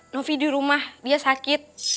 novi di rumah dia sakit